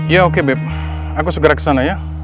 ya oke beb aku segera ke sana ya